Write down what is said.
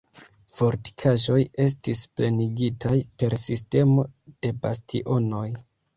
Fortikaĵoj estis plenigitaj per sistemo de bastionoj.